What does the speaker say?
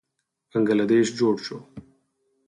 بنګله دیش جوړ شو.